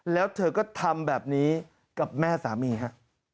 แล้วเธอก็ทำแบบนี้กับแม่สามีฮะ